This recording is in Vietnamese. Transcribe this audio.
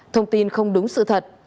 thông tin không đúng sự thật